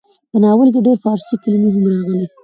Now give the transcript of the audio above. په ناول کې ډېر فارسي کلمې هم راغلې ډي.